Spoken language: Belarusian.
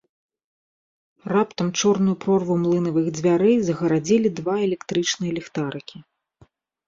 Раптам чорную прорву млынавых дзвярэй загарадзілі два электрычныя ліхтарыкі.